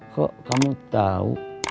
kok kamu tau